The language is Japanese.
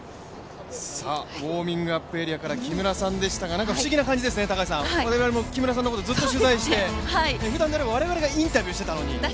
ウォーミングアップエリアから木村さんでしたが不思議な感じですね、我々も木村さんのことをずっと取材をして、ふだんであれば我々がインタビューをしていたのに。